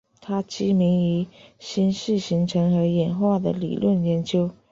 她知名于星系形成和演化的理论研究。